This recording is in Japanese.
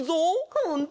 ほんと？